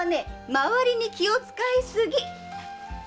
周りに気を遣い過ぎ！